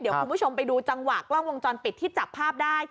เดี๋ยวคุณผู้ชมไปดูจังหวะกล้องวงจรปิดที่จับภาพได้